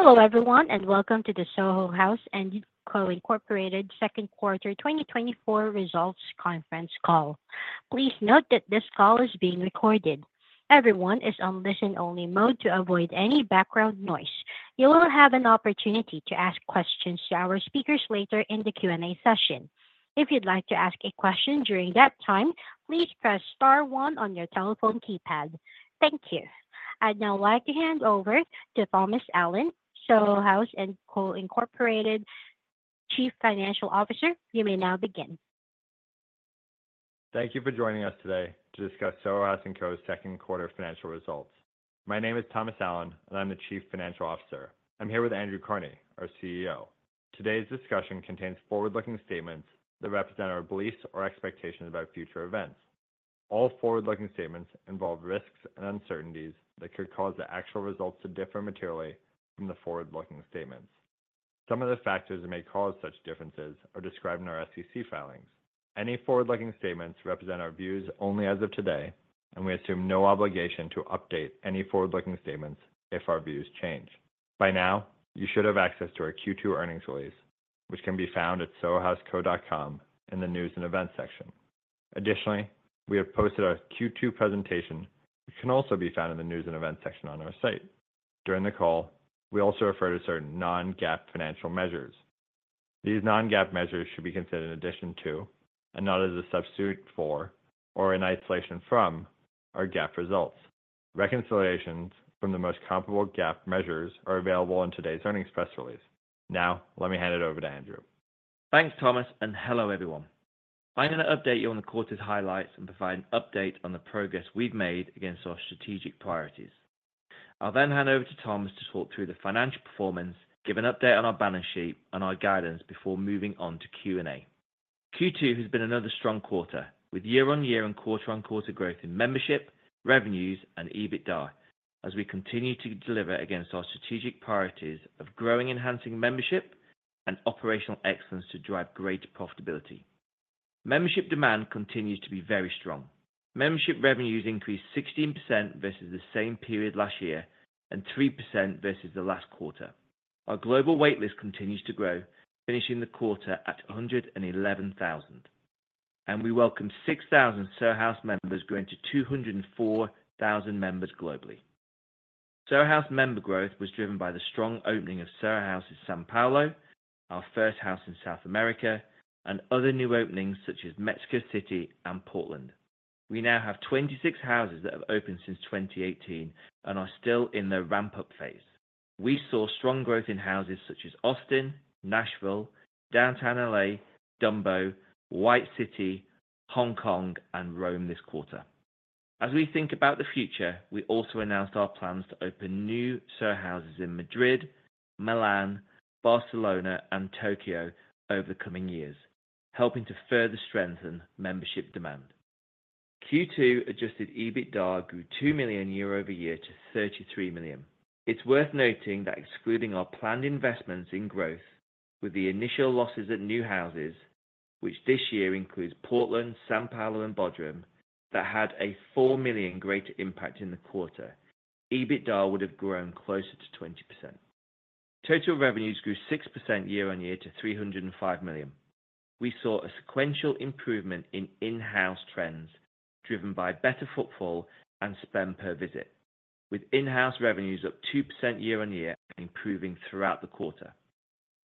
Hello, everyone, and welcome to the Soho House & Co. Inc. 2nd quarter 2024 results conference call. Please note that this call is being recorded. Everyone is on listen-only mode to avoid any background noise. You will have an opportunity to ask questions to our speakers later in the Q&A session. If you'd like to ask a question during that time, please press star one on your telephone keypad. Thank you. I'd now like to hand over to Thomas Allen, Soho House & Co. Inc., Chief Financial Officer. You may now begin. Thank you for joining us today to discuss Soho House & Co.'s 2nd quarter financial results. My name is Thomas Allen, and I'm the Chief Financial Officer. I'm here with Andrew Carnie, our CEO. Today's discussion contains forward-looking statements that represent our beliefs or expectations about future events. All forward-looking statements involve risks and uncertainties that could cause the actual results to differ materially from the forward-looking statements. Some of the factors that may cause such differences are described in our SEC filings. Any forward-looking statements represent our views only as of today, and we assume no obligation to update any forward-looking statements if our views change. By now, you should have access to our Q2 earnings release, which can be found at sohohouseco.com in the News and Events section. Additionally, we have posted our Q2 presentation, which can also be found in the News and Events section on our site. During the call, we also refer to certain non-GAAP financial measures. These non-GAAP measures should be considered in addition to, and not as a substitute for, or in isolation from, our GAAP results. Reconciliations from the most comparable GAAP measures are available on today's earnings press release. Now, let me hand it over to Andrew. Thanks, Thomas, and hello, everyone. I'm going to update you on the quarter's highlights and provide an update on the progress we've made against our strategic priorities. I'll then hand over to Thomas to talk through the financial performance, give an update on our balance sheet and our guidance before moving on to Q&A. Q2 has been another strong quarter, with year-on-year and quarter-on-quarter growth in membership, revenues, and EBITDA, as we continue to deliver against our strategic priorities of growing, enhancing membership and operational excellence to drive greater profitability. Membership demand continues to be very strong. Membership revenues increased 16% versus the same period last year and 3% versus the last quarter. Our global wait list continues to grow, finishing the quarter at 111,000, and we welcomed 6,000 Soho House members, growing to 204,000 members globally. Soho House member growth was driven by the strong opening of Soho House in São Paulo, our first house in South America, and other new openings such as Mexico City and Portland. We now have 26 houses that have opened since 2018 and are still in their ramp-up phase. We saw strong growth in houses such as Austin, Nashville, Downtown LA. Dumbo, White City, Hong Kong, and Rome this quarter. As we think about the future, we also announced our plans to open new Soho Houses in Madrid, Milan, Barcelona, and Tokyo over the coming years, helping to further strengthen membership demand. Q2 Adjusted EBITDA grew $2 million year-over-year to $33 million. It's worth noting that excluding our planned investments in growth with the initial losses at new houses, which this year includes Portland, São Paulo, and Bodrum, that had a $4 million greater impact in the quarter, EBITDA would have grown closer to 20%. Total revenues grew 6% year-on-year to $305 million. We saw a sequential improvement in in-house trends, driven by better footfall and spend per visit, with in-house revenues up 2% year-on-year, improving throughout the quarter.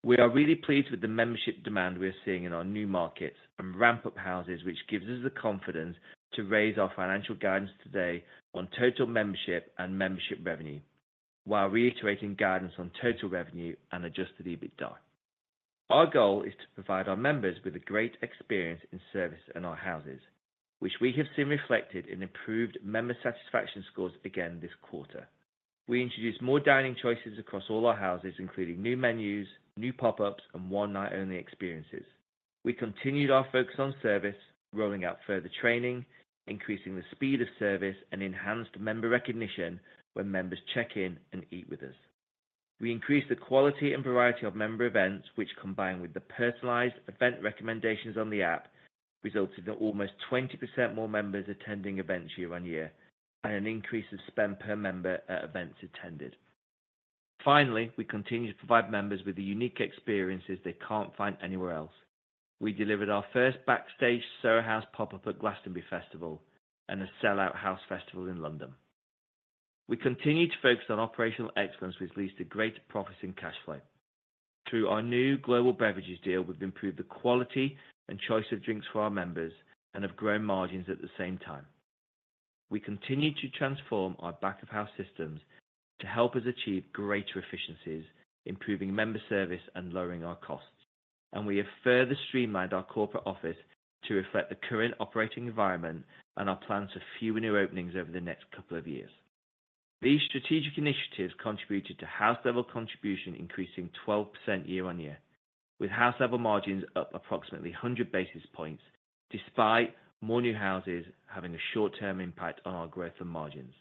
We are really pleased with the membership demand we are seeing in our new markets and ramp-up houses, which gives us the confidence to raise our financial guidance today on total membership and membership revenue, while reiterating guidance on total revenue and adjusted EBITDA. Our goal is to provide our members with a great experience in service in our houses, which we have seen reflected in improved member satisfaction scores again this quarter. We introduced more dining choices across all our houses, including new menus, new pop-ups, and one-night-only experiences. We continued our focus on service, rolling out further training, increasing the speed of service, and enhanced member recognition when members check in and eat with us. We increased the quality and variety of member events, which, combined with the personalized event recommendations on the app, resulted in almost 20% more members attending events year-on-year, and an increase of spend per member at events attended. Finally, we continue to provide members with the unique experiences they can't find anywhere else. We delivered our first backstage Soho House pop-up at Glastonbury Festival and a sellout House Festival in London. We continue to focus on operational excellence, which leads to greater profits and cash flow. Through our new global beverages deal, we've improved the quality and choice of drinks for our members and have grown margins at the same time. We continue to transform our back-of-house systems to help us achieve greater efficiencies, improving member service and lowering our costs. And we have further streamlined our corporate office to reflect the current operating environment and our plans for fewer new openings over the next couple of years. These strategic initiatives contributed to House-Level Contribution, increasing 12% year-on-year, with House-Level Margins up approximately 100 basis points, despite more new houses having a short-term impact on our growth and margins.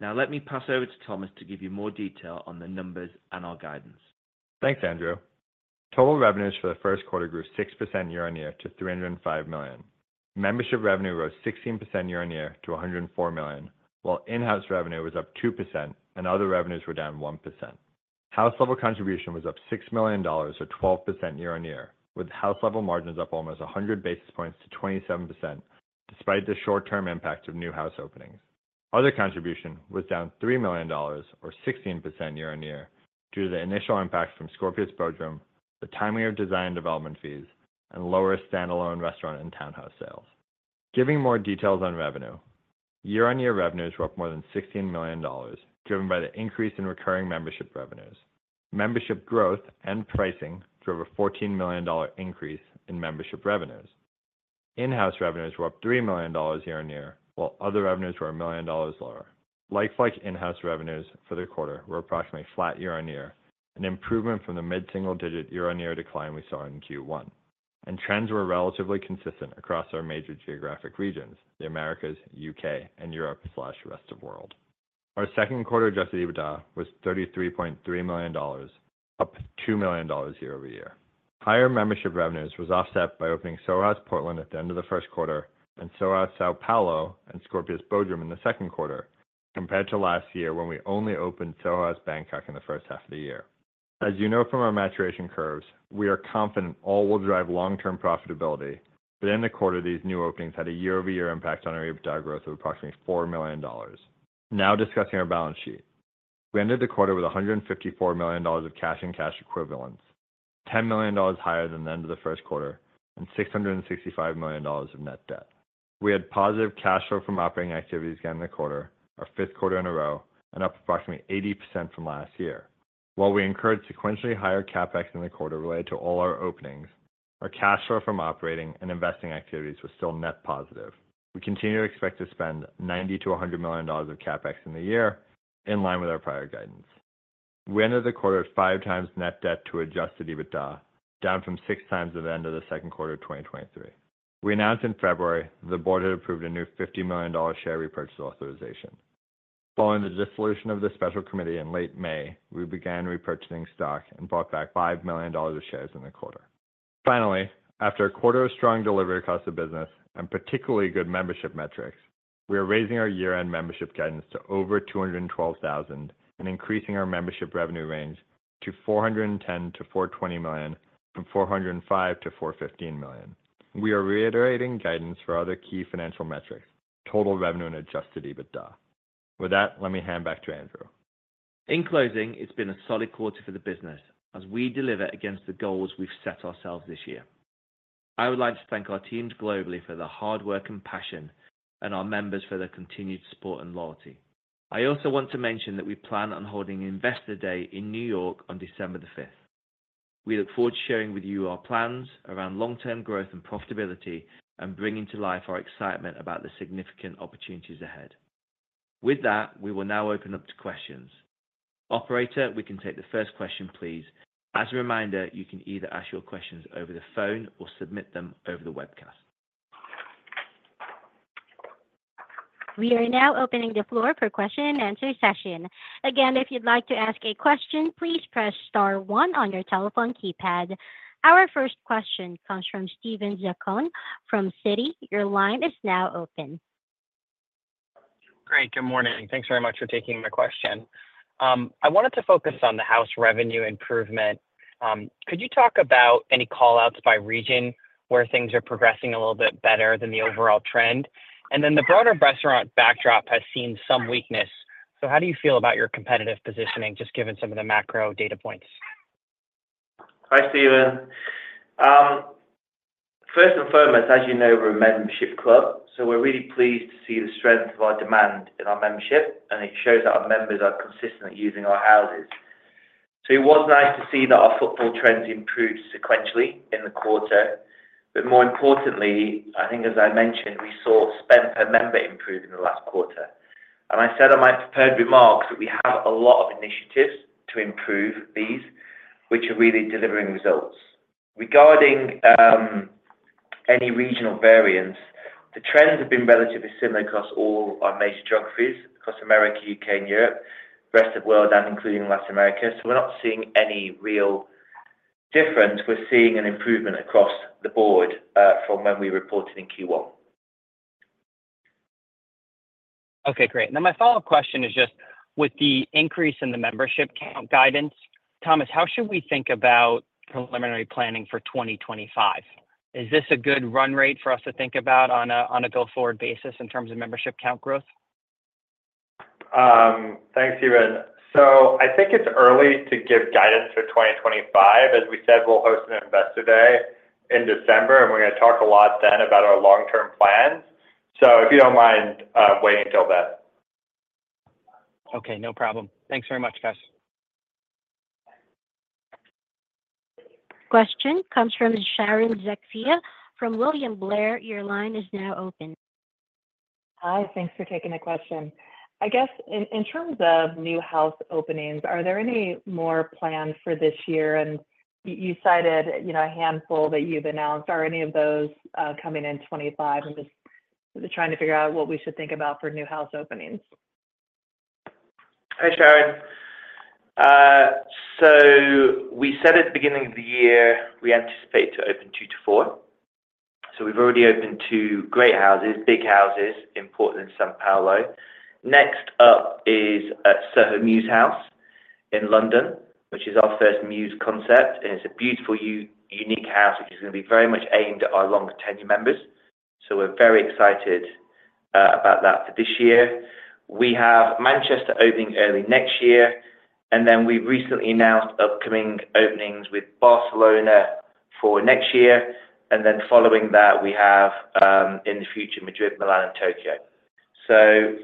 Now, let me pass over to Thomas to give you more detail on the numbers and our guidance. Thanks, Andrew. Total revenues for the 1st quarter grew 6% year-on-year to $305 million. Membership revenue rose 16% year-on-year to $104 million, while in-house revenue was up 2% and other revenues were down 1%. House level contribution was up $6 million, or 12% year-on-year, with house level margins up almost 100 basis points to 27%, despite the short-term impact of new house openings. Other contribution was down $3 million, or 16% year-on-year, due to the initial impacts from Scorpios Bodrum, the timing of design development fees, and lower standalone restaurant and townhouse sales. Giving more details on revenue. Year-on-year revenues were up more than $16 million, driven by the increase in recurring membership revenues. Membership growth and pricing drove a $14 million dollar increase in membership revenues. In-house revenues were up $3 million year-over-year, while other revenues were $1 million lower. Like-for-like in-house revenues for the quarter were approximately flat year-over-year, an improvement from the mid-single-digit year-over-year decline we saw in Q1, and trends were relatively consistent across our major geographic regions, the Americas, U.K., and Europe/Rest of World. Our 2nd quarter Adjusted EBITDA was $33.3 million, up $2 million year-over-year. Higher membership revenues was offset by opening Soho House Portland at the end of the 1st quarter, and Soho House São Paulo and Scorpios Bodrum in the 2nd quarter, compared to last year when we only opened Soho House Bangkok in the 1st half of the year. As you know from our maturation curves, we are confident all will drive long-term profitability, but in the quarter, these new openings had a year-over-year impact on our EBITDA growth of approximately $4 million. Now, discussing our balance sheet. We ended the quarter with $154 million of cash and cash equivalents, $10 million higher than the end of the 1st quarter, and $665 million of net debt. We had positive cash flow from operating activities again in the quarter, our 5th quarter in a row, and up approximately 80% from last year. While we incurred sequentially higher CapEx in the quarter related to all our openings, our cash flow from operating and investing activities was still net positive. We continue to expect to spend $90-$100 million of CapEx in the year, in line with our prior guidance. We ended the quarter at 5x net debt to Adjusted EBITDA, down from 6x at the end of the 2nd quarter of 2023. We announced in February the board had approved a new $50 million share repurchase authorization. Following the dissolution of the special committee in late May, we began repurchasing stock and bought back $5 million of shares in the quarter. Finally, after a quarter of strong delivery across the business and particularly good membership metrics, we are raising our year-end membership guidance to over 212,000 and increasing our membership revenue range to $410-$420 million, from $405-$415 million. We are reiterating guidance for other key financial metrics, total revenue and Adjusted EBITDA. With that, let me hand back to Andrew. In closing, it's been a solid quarter for the business as we deliver against the goals we've set ourselves this year. I would like to thank our teams globally for their hard work and passion, and our members for their continued support and loyalty. I also want to mention that we plan on holding Investor Day in New York on December the 5th. We look forward to sharing with you our plans around long-term growth and profitability and bringing to life our excitement about the significant opportunities ahead. With that, we will now open up to questions. Operator, we can take the first question, please. As a reminder, you can either ask your questions over the phone or submit them over the webcast. We are now opening the floor for question and answer session. Again, if you'd like to ask a question, please press star one on your telephone keypad. Our first question comes from Stephen Zaccone from Citi. Your line is now open. Great, good morning, and thanks very much for taking my question. I wanted to focus on the house revenue improvement. Could you talk about any call-outs by region where things are progressing a little bit better than the overall trend? And then the broader restaurant backdrop has seen some weakness. So how do you feel about your competitive positioning, just given some of the macro data points? Hi, Stephen. First and foremost, as you know, we're a membership club, so we're really pleased to see the strength of our demand in our membership, and it shows that our members are consistently using our houses. So, it was nice to see that our footfall trends improved sequentially in the quarter, but more importantly, I think as I mentioned, we saw spend per member improve in the last quarter. And I said on my prepared remarks that we have a lot of initiatives to improve these, which are really delivering results. Regarding any regional variance, the trends have been relatively similar across all our major geographies, across America, U.K., and Europe, rest of world, and including Latin America. So, we're not seeing any real difference. We're seeing an improvement across the board from when we reported in Q1. Okay, great. Then my follow-up question is just: with the increase in the membership count guidance, Thomas, how should we think about preliminary planning for 2025? Is this a good run rate for us to think about on a go-forward basis in terms of membership count growth? Thanks, Stephen. So, I think it's early to give guidance for 2025. As we said, we'll host an Investor Day in December, and we're gonna talk a lot then about our long-term plans. So, if you don't mind, waiting till then. Okay, no problem. Thanks very much, guys. Question comes from Sharon Zackfia from William Blair. Your line is now open. Hi, thanks for taking the question. I guess in terms of new house openings, are there any more plans for this year? And you cited, you know, a handful that you've announced. Are any of those coming in 2025? I'm just trying to figure out what we should think about for new house openings. Hi, Sharon. So, we said at the beginning of the year, we anticipate opening 2-4. So, we've already opened 2 great houses, big houses in Portland and São Paulo. Next up is at Soho Mews House in London, which is our first Mews concept, and it's a beautiful unique house, which is going to be very much aimed at our longer-tenure members. So, we're very excited about that for this year. We have Manchester opening early next year, and then we recently announced upcoming openings with Barcelona for next year, and then following that, we have in the future, Madrid, Milan, and Tokyo. So,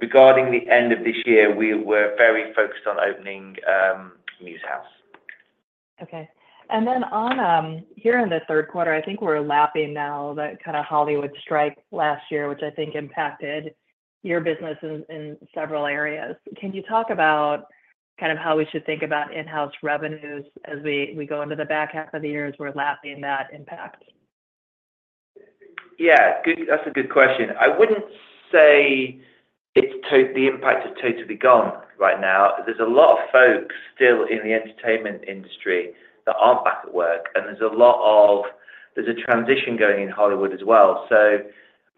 regarding the end of this year, we were very focused on opening Mews House. Okay. And then on here in the 3rd quarter, I think we're lapping now that kind of Hollywood strike last year, which I think impacted your business in, in several areas. Can you talk about kind of how we should think about in-house revenues as we, we go into the back half of the year as we're lapping that impact? Yeah, that's a good question. I wouldn't say the impact is totally gone right now. There's a lot of folks still in the entertainment industry that aren't back at work, and there's a transition going in Hollywood as well. So,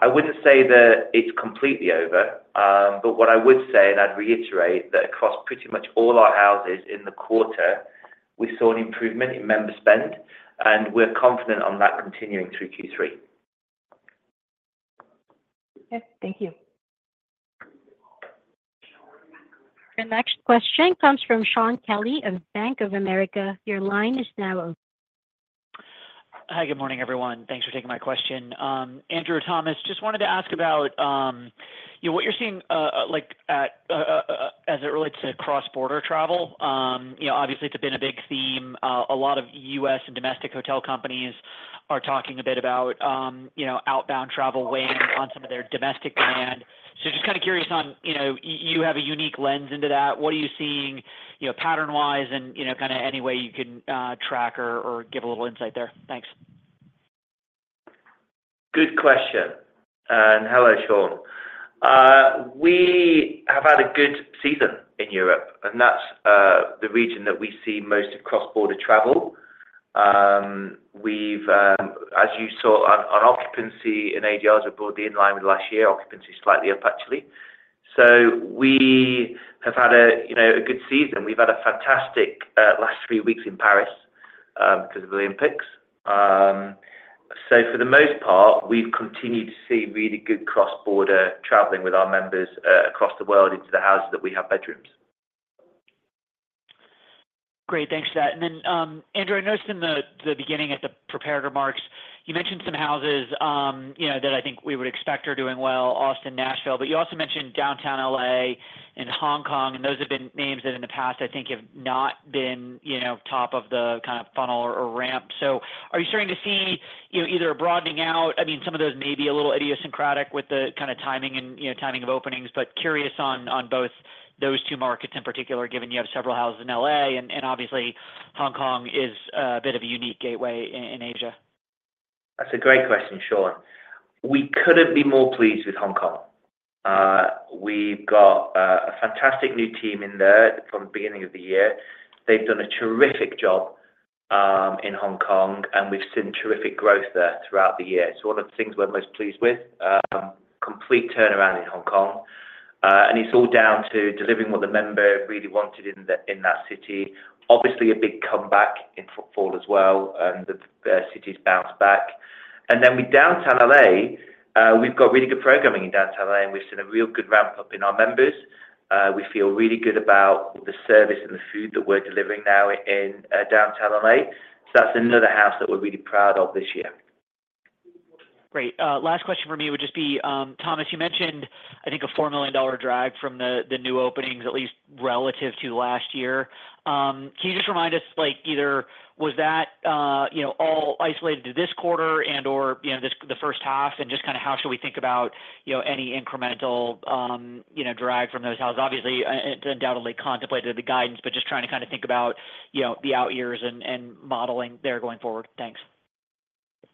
I wouldn't say that it's completely over, but what I would say, and I'd reiterate, that across pretty much all our houses in the quarter, we saw an improvement in member spend, and we're confident on that continuing through Q3. Okay. Thank you. Your next question comes from Shaun Kelley of Bank of America. Your line is now open. Hi, good morning, everyone. Thanks for taking my question. Andrew, Thomas, just wanted to ask about, you know, what you're seeing, like, at, as it relates to cross-border travel. You know, obviously, it's been a big theme. A lot of U.S. and domestic hotel companies are talking a bit about, you know, outbound travel weighing on some of their domestic brand. So, just curious on, you know, you have a unique lens into that. What are you seeing, you know, pattern-wise and, you know, kind of any way you can, track or give a little insight there? Thanks. Good question. Hello, Shaun. We have had a good season in Europe, and that's the region that we see most of cross-border travel. We've, as you saw, on occupancy and ADRs are broadly in line with last year. Occupancy is slightly up, actually. So, we have had a, you know, a good season. We've had a fantastic last three weeks in Paris because of the Olympics. So, for the most part, we've continued to see really good cross-border traveling with our members across the world into the houses that we have bedrooms. Great. Thanks for that. And then, Andrew, I noticed in the beginning of the prepared remarks, you mentioned some houses, you know, that I think we would expect are doing well, Austin, Nashville, but you also mentioned Downtown L.A. and Hong Kong, and those have been names that in the past, I think have not been, you know, top of the kind of funnel or ramp. So, are you starting to see, you know, either a broadening out, I mean, some of those may be a little idiosyncratic with the kind of timing and, you know, timing of openings, but curious on, on both those two markets in particular, given you have several houses in L.A., and, and obviously, Hong Kong is a bit of a unique gateway in Asia. That's a great question, Shaun. We couldn't be more pleased with Hong Kong. We've got a fantastic new team in there from the beginning of the year. They've done a terrific job in Hong Kong, and we've seen terrific growth there throughout the year. It's one of the things we're most pleased with, complete turnaround in Hong Kong, and it's all down to delivering what the member really wanted in that city. Obviously, a big comeback in footfall as well, and the city's bounced back. And then with Downtown LA, we've got really good programming in Downtown LA, and we've seen a real good ramp-up in our members. We feel really good about the service and the food that we're delivering now in Downtown LA. So, that's another house that we're really proud of this year. Great. Last question from me would just be, Thomas, you mentioned, I think, a $4 million drag from the new openings, at least relative to last year. Can you just remind us, like, either was that, you know, all isolated to this quarter and, or, you know, this, the first half, and just kind of how should we think about, you know, any incremental, you know, drag from those houses? Obviously, it's undoubtedly contemplated the guidance, but just trying to kind of think about, you know, the out years and, and modeling there going forward. Thanks.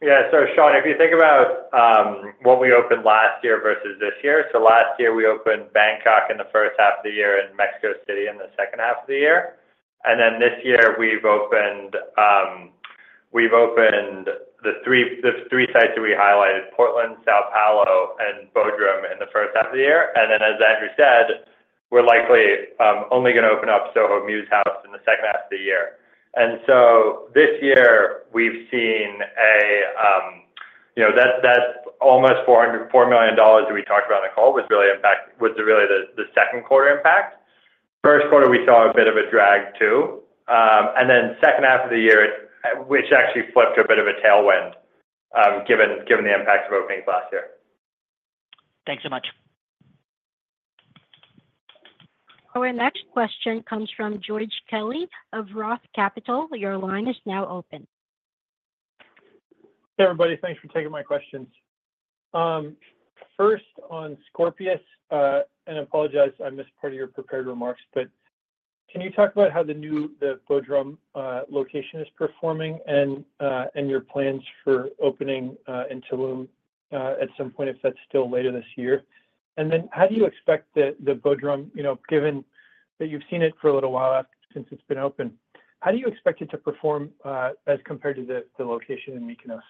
Yeah. So, Sean, if you think about what we opened last year versus this year, so last year, we opened Bangkok in the first half of the year and Mexico City in the second half of the year. And then this year, we've opened, we've opened the three, the three sites that we highlighted, Portland, São Paulo, and Bodrum, in the first half of the year. And then, as Andrew said, we're likely only going to open up Soho Mews House in the second half of the year. And so, this year, we've seen a, you know, that's, that's almost $4 million dollars that we talked about on the call was really impact-- was really the, the 2nd quarter impact. 1st quarter, we saw a bit of a drag, too, and then 2nd half of the year, which actually flipped to a bit of a tailwind, given the impact of openings last year. Thanks so much. Our next question comes from George Kelly of Roth Capital. Your line is now open. Hey, everybody. Thanks for taking my questions. First, on Scorpios, and I apologize, I missed part of your prepared remarks. Can you talk about how the new, the Bodrum, location is performing and, and your plans for opening, in Tulum, at some point, if that's still later this year? And then how do you expect the, the Bodrum, you know, given that you've seen it for a little while since it's been open, how do you expect it to perform, as compared to the, the location in Mykonos?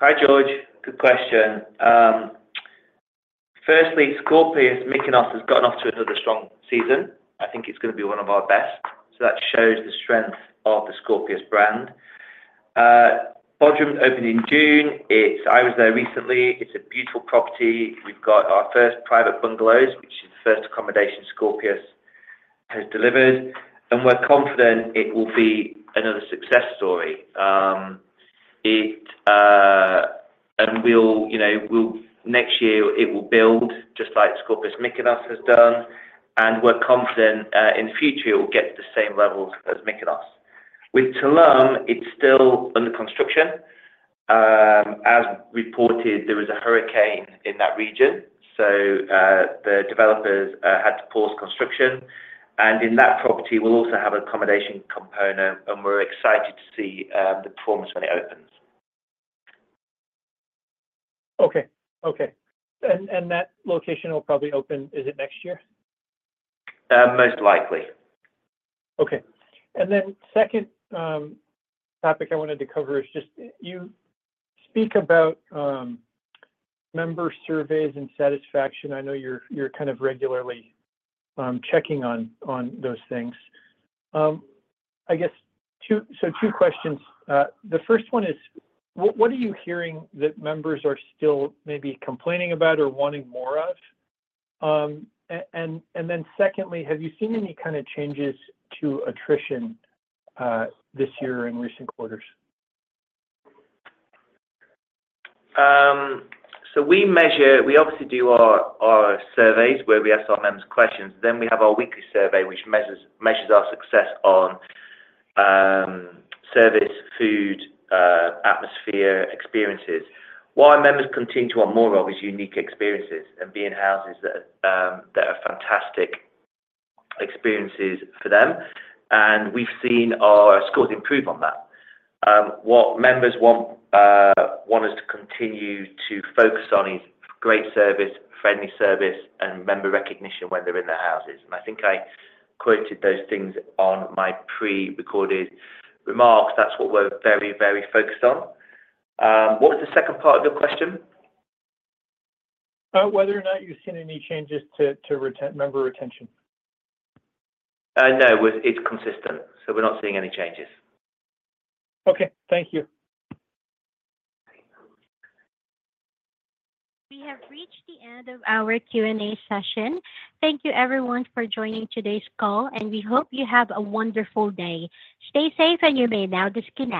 Hi, George. Good question. Firstly, Scorpios Mykonos has gotten off to another strong season. I think it's gonna be one of our best, so that shows the strength of the Scorpios brand. Bodrum opened in June. It's. I was there recently. It's a beautiful property. We've got our first private bungalows, which is the first accommodation Scorpios has delivered, and we're confident it will be another success story, and next year it will build, you know, just like Scorpios Mykonos has done, and we're confident in the future it will get to the same levels as Mykonos. With Tulum, it's still under construction. As reported, there was a hurricane in that region, so, the developers had to pause construction. In that property, we'll also have an accommodation component, and we're excited to see the performance when it opens. Okay. Okay. And that location will probably open, is it next year? Most likely. Okay. And then second topic I wanted to cover is just, you speak about member surveys and satisfaction. I know you're kind of regularly checking on those things. I guess two-- so two questions. The first one is, what are you hearing that members are still maybe complaining about or wanting more of? And then secondly, have you seen any kind of changes to attrition this year in recent quarters? So, we measure... We obviously do our surveys, where we ask our members questions. Then we have our weekly survey, which measures our success on service, food, atmosphere, experiences. What our members continue to want more of is unique experiences and be in houses that are fantastic experiences for them, and we've seen our scores improve on that. What members want us to continue to focus on is great service, friendly service, and member recognition when they're in the houses. And I think I quoted those things on my pre-recorded remarks. That's what we're very, very focused on. What was the second part of your question? Whether or not you've seen any changes to member retention? No, we're. It's consistent, so we're not seeing any changes. Okay. Thank you. We have reached the end of our Q&A session. Thank you, everyone, for joining today's call, and we hope you have a wonderful day. Stay safe, and you may now disconnect.